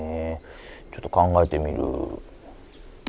ちょっと考えてみる。